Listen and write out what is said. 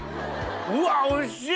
うわおいしい！